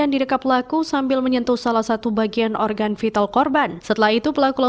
tidak berteriak setahu saya